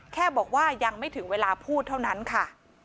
แค่บอกว่ายังไม่ถึงเวลาพูดเท่านั้นค่ะ